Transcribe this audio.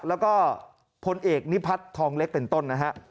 แล้วก็พลเอกนิพัฒน์ทองเล็กเป็นต้นนะฮะ